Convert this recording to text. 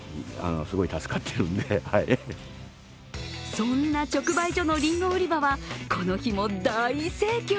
そんな直売所のりんご売り場はこの日も大盛況。